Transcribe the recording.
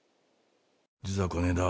実はこねえだ